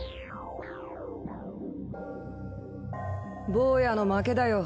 坊やの負けだよ。